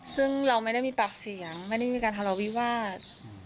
ซึ่งเราไม่ได้มีปากเสียงไม่ได้มีการทะเลาวิวาส